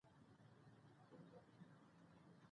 دا هنر دي له کوم ځایه دی راوړی